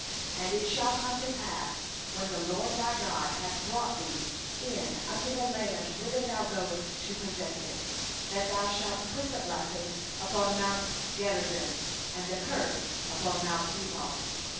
29And it shall come to pass, when the LORD thy God shall bring thee into the land whither thou goest to possess it, that thou shalt set the blessing upon mount Gerizim, and the curse upon mount Ebal.